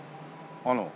あの。